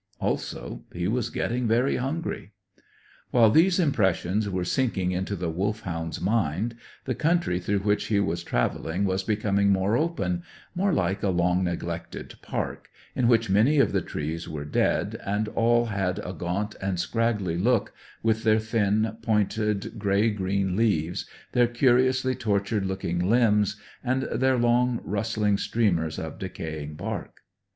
Also, he was getting very hungry. While these impressions were sinking into the Wolfhound's mind, the country through which he was travelling was becoming more open, more like a long neglected park, in which many of the trees were dead, and all had a gaunt and scraggy look, with their thin, pointed grey green leaves, their curiously tortured looking limbs, and their long, rustling streamers of decaying bark.